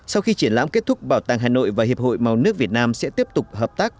sau khi triển lãm kết thúc bảo tàng hà nội và hiệp hội màu nước việt nam sẽ tiếp tục hợp tác